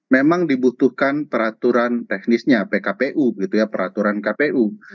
memang dibutuhkan peraturan teknisnya pkpu